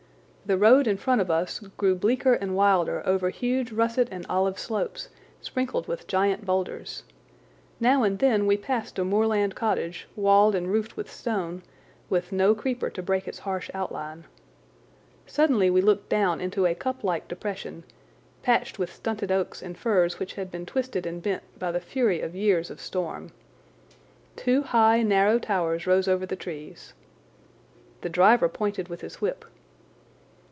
The road in front of us grew bleaker and wilder over huge russet and olive slopes, sprinkled with giant boulders. Now and then we passed a moorland cottage, walled and roofed with stone, with no creeper to break its harsh outline. Suddenly we looked down into a cuplike depression, patched with stunted oaks and firs which had been twisted and bent by the fury of years of storm. Two high, narrow towers rose over the trees. The driver pointed with his whip.